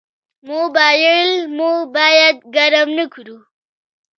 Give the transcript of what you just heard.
موبایل مو باید ګرم نه کړو.